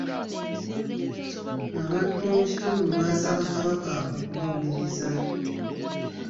Abantu b'omukitundu baasaba kabaka okubawuliriza.